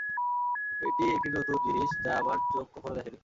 এটি একটি নতুন জিনিস যা আমার চোখ কখনো দেখেনি।